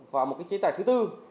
vào một chế tài thứ tư